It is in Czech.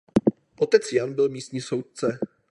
Otec Jan byl místní soudce.